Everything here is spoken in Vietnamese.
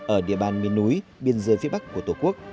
ở địa bàn miền núi biên giới phía bắc của tổ quốc